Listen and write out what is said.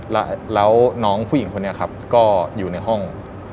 แล้วน้องผู้หญิงคนนี้ครับก็อยู่ในห้อง